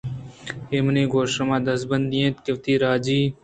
اے منی گوں شما دزبندی انت کہ وتی راجی